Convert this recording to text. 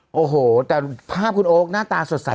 พี่โอ๊คบอกว่าเขินถ้าต้องเป็นเจ้าภาพเนี่ยไม่ไปร่วมงานคนอื่นอะได้